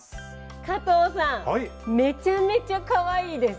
加藤さんめちゃめちゃかわいいです。